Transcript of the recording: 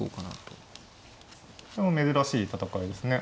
それも珍しい戦いですね。